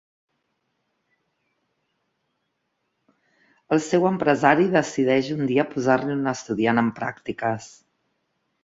El seu empresari decideix un dia posar-li un estudiant en pràctiques.